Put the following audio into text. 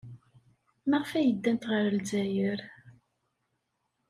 Maɣef ay ddant ɣer Lezzayer?